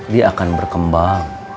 dia akan berkembang